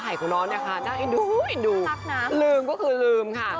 พอหายของน้อนนะคะน่าอินดูอินดูลืมก็คือลืมค่ะ